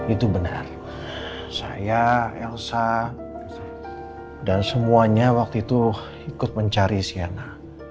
itu benar saya elsa dan semuanya waktu itu ikut mencari siana